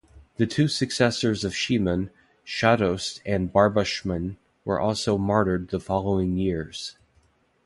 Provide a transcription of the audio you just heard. The two successors of Shemon, Shahdost and Barba'shmin, were also martyred the following years.